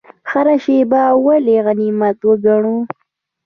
هره شیبه ولې غنیمت وګڼو؟